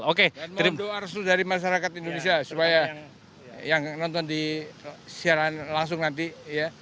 dan mohon doa arsul dari masyarakat indonesia supaya yang nonton di siaran langsung nanti ya